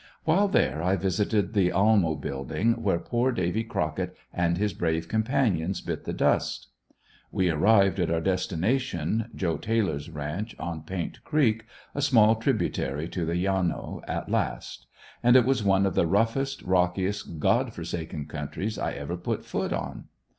While there I visited the Almo building where poor Davy Crocket and his brave companions bit the dust. We arrived at our destination, Joe Taylor's ranch, on Paint creek a small tributary to the Llano, at last; and it was one of the roughest, rockiest, God forsaken countries I ever put foot on.